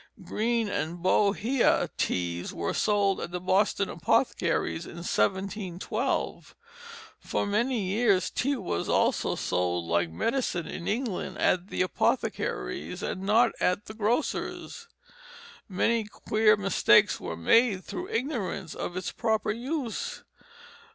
Green and bohea teas were sold at the Boston apothecaries' in 1712. For many years tea was also sold like medicine in England at the apothecaries' and not at the grocers'. Many queer mistakes were made through ignorance of its proper use.